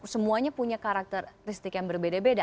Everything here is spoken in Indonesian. semuanya punya karakteristik yang berbeda beda